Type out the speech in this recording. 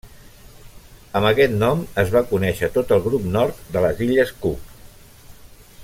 Amb aquest nom es va conèixer tot el grup nord de les illes Cook.